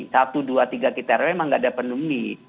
tadi satu dua tiga kita memang nggak ada pandemi